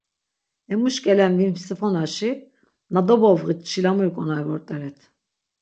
Emuş k̆elen vimsifonaşi na dovobğit çilamuri k̆onari vort̆eret.